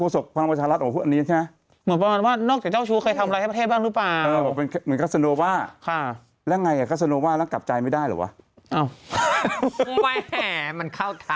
สำหรับเรานะอันนี้ไม่ใช่ประเด็นใช่เจ้าชู้หรือไม่ใช่สิ่งไม่ใช่ประเด็น